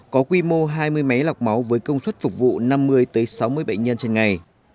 có quy mô hai mươi máy lọc máu với công suất phục vụ năm mươi sáu mươi bệnh nhân trên ngày